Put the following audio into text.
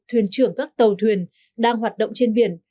thuyền trưởng các tàu thuyền đang hoạt động trên biển